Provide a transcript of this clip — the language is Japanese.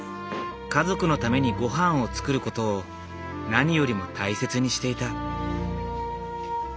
家族のためにごはんを作ることを何よりも大切にしていた。